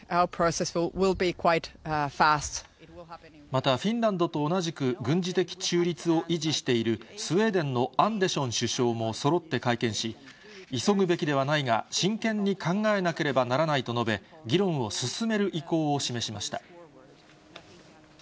また、フィンランドと同じく軍事的中立を維持しているスウェーデンのアンデション首相もそろって会見し、急ぐべきではないが、真剣に考えなければならないと述べ、議論を進める意向を示しました。